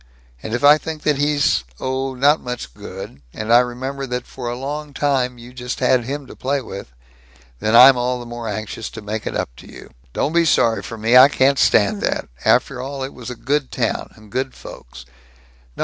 And if I think that he's, oh, not much good, and I remember that for a long time you just had him to play with, then I'm all the more anxious to make it up to you." "Don't be sorry for me! I can't stand that! After all, it was a good town, and good folks " "No!